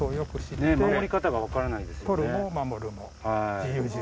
ねぇ守り方がわからないですよね。